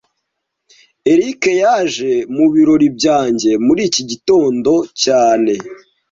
Eric yaje mu biro byanjye muri iki gitondo cyane